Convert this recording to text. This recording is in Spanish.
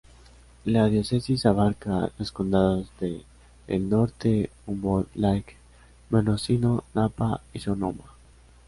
La diócesis abarca los condados de Del Norte, Humboldt, Lake, Mendocino, Napa y Sonoma.